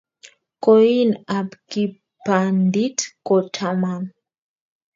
koin ab kipandit ko taman